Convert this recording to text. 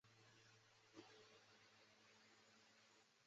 也是一个交易服务供应商。